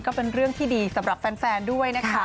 ก็เป็นเรื่องที่ดีสำหรับแฟนด้วยนะคะ